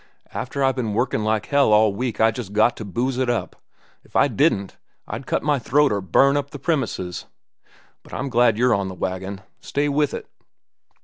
"After I've ben workin' like hell all week I just got to booze up. If I didn't, I'd cut my throat or burn up the premises. But I'm glad you're on the wagon. Stay with it."